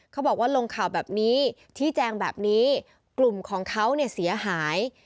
เขาบอกว่าลงข่าวแบบนี้ชี้แจงแบบนี้กลุ่มของเขาเนี่ยเสียหาย